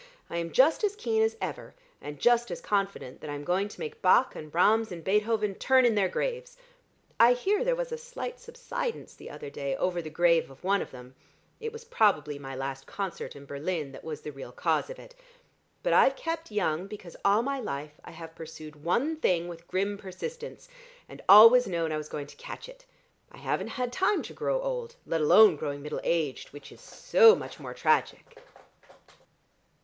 I am just as keen as ever, and just as confident that I'm going to make Bach and Brahms and Beethoven turn in their graves. I hear there was a slight subsidence the other day over the grave of one of them: it was probably my last concert in Berlin that was the real cause of it. But I've kept young because all my life I have pursued one thing with grim persistence, and always known I was going to catch it. I haven't had time to grow old, let alone growing middle aged, which is so much more tragic!"